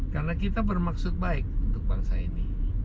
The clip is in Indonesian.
karena kita bermaksud baik untuk bangsa ini